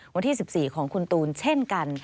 วันที่๑๔ของคุณตูนเช่นกัน